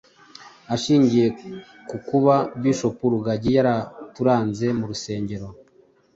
ashingiye ku kuba bishop rugagi yaraturanze mu rusengero